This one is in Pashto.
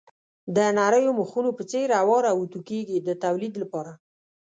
د نریو مخونو په څېر اوار او اتو کېږي د تولید لپاره.